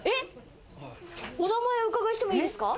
お名前お伺いしてもいいですか？